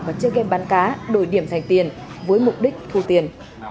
và chơi game bán cá đổi điểm thành tiền với mục đích thu tiền